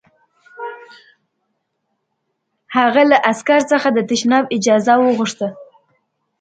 هغه له عسکر څخه د تشناب اجازه وغوښته